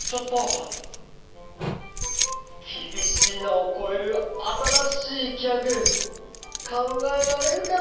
「きびしいな」をこえるあたらしいギャグかんがえられるかな。